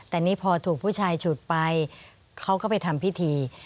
แต่นี่พอถูกผู้ชายฉุดไปเขาก็ไปทำพิธี